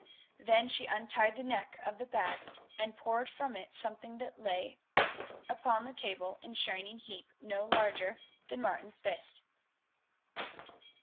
Then she untied the neck of the bag and poured from it something that lay upon the table in a shining heap no larger than Martin's fist.